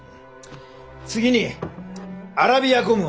次にアラビアゴムを塗る。